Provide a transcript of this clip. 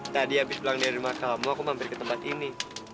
tadi habis pulang dari rumah kamu aku mampir ke tempat ini